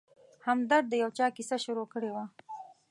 همدرد د یو چا کیسه شروع کړې وه.